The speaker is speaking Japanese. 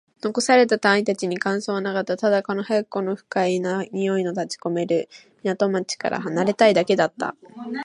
残された隊員達に感想はなかった。ただ、早くこの不快な臭いの立ち込める港町から離れたいだけだった。